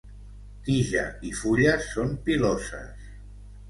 Tija i fulles són piloses.